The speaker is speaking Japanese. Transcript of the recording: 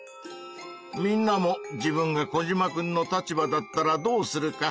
みんなも自分がコジマくんの立場だったらどうするか。